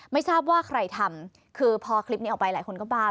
ไม่ทราบว่าใครทำคือพอคลิปนี้ออกไปหลายคนก็บาน